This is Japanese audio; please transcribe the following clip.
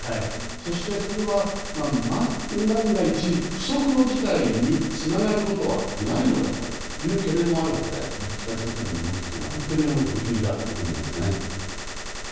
そして、それは万万が一、不測の事態につながることはないのかという懸念もあるわけで北朝鮮の動きというのは本当に不気味だと思いますね。